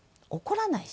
怒らない？